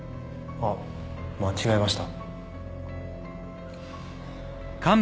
あっ間違えました。